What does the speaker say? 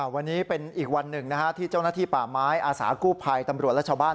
วันนี้เป็นอีกวันหนึ่งที่เจ้าหน้าที่ป่าไม้อาสากู้ภัยตำรวจและชาวบ้าน